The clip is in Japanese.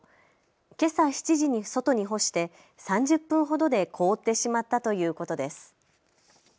けさ７時に外に干して３０分ほどで凍ってしまったということです。